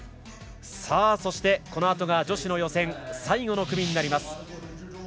そしてこのあとが女子の予選最後の組になります。